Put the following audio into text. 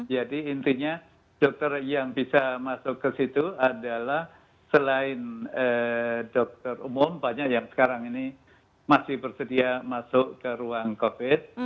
jadi intinya dokter yang bisa masuk ke situ adalah selain dokter umum banyak yang sekarang ini masih bersedia masuk ke ruang covid